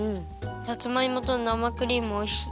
さつまいもとなまクリームおいしい。